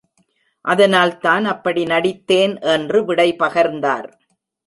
அதனால் தான் அப்படி நடித்தேன் என்று விடை பகர்ந்தார்.